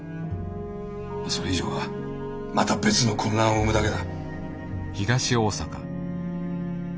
それ以上はまた別の混乱を生むだけだ。